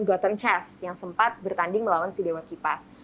gotham chess yang sempat bertanding melawan sidewa kipas